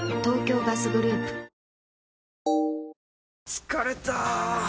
疲れた！